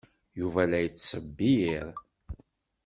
Yuba la yettṣewwir.